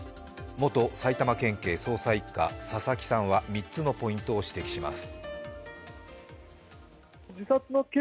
元埼玉県警捜査一課・佐々木さんは３つのポイントを指摘します。